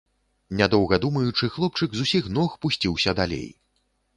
Нядоўга думаючы, хлопчык з усіх ног пусціўся далей.